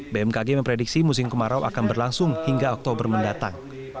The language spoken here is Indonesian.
bmkg memprediksi musim kemarau akan berlangsung hingga oktober mendatang